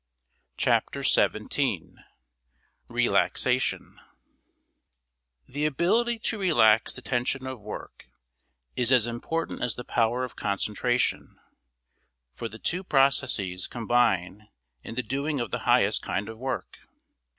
Chapter XVII Relaxation The ability to relax the tension of work is as important as the power of concentration; for the two processes combine in the doing of the highest kind of work.